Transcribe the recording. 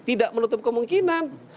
tidak menutup kemungkinan